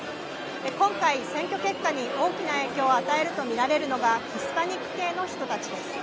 今回、選挙結果に大きな影響を与えると見られるのがヒスパニック系の人たちです。